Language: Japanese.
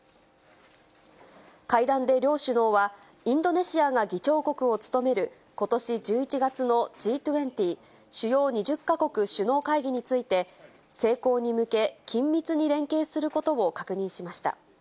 会談で両首脳は、インドネシアが議長国を務めることし１１月のＧ２０・主要２０か国首脳会議について、成功に向け、緊密に連携することを確認しました。